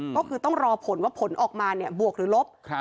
ก็คือต้องรอผลว่าผลออกมาเนี่ยบวกหรือลบ